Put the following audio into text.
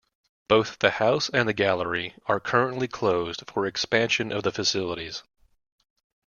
Both the house and gallery are currently closed for expansion of the facilities.